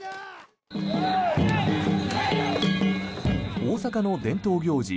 大阪の伝統行事